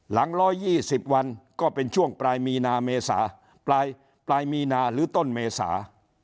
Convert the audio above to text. หลัง๑๒๐วันก็เป็นช่วงปลายมีนาหรือต้นเมษา